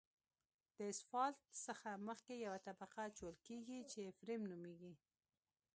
د اسفالټ څخه مخکې یوه طبقه اچول کیږي چې فریم نومیږي